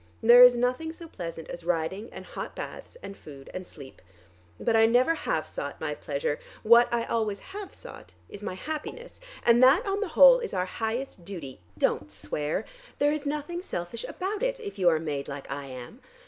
There is nothing so pleasant as riding and hot baths and food and sleep. But I never have sought my pleasure. What I always have sought is my happiness. And that on the whole is our highest duty. Don't swear. There is nothing selfish about it, if you are made like I am.